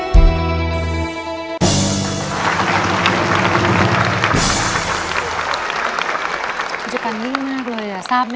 ที่เจอครั้งนี้ร้องครับ